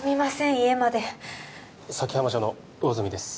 家まで先浜署の魚住です